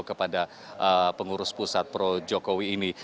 kepada pengurus pusat projokowi ini